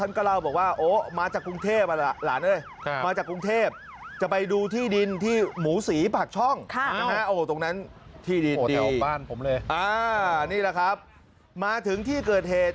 นี่แหละครับมาถึงที่เกิดเหตุ